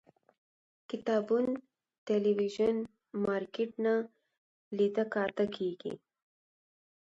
کتابتون، تلویزون، مارکيټ نه لیده کاته کړي